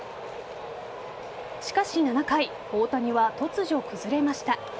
しかし、７回大谷は突如、崩れました。